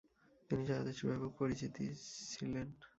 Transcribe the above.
তিনি সারাদেশে ব্যাপক পরিচিত ছিলেন।